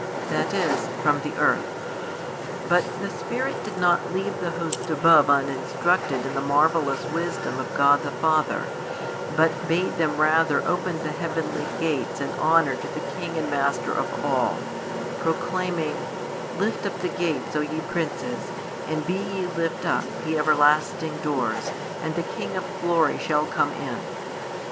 that is, from the earth. But the Spirit did not leave the host above uninstructed in the marvellous wisdom of God the Father, but bade them rather open the heavenly gates in honour to the King and Master of all, proclaiming: Lift up the gates, O ye princes, and be ye lift up, ye everlasting doors, and the King of Glory shall come in.